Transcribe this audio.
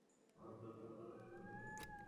কত প্রশ্ন গোপালের, কত ব্যাকুল নিবেদন।